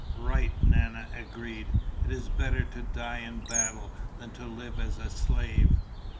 "Right!" Nana agreed. "It is better to die in battle than to live as a slave!